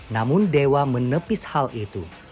namun dewa menepis hal itu